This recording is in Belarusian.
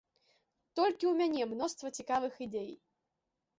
Толькі ў мяне мноства цікавых ідэй.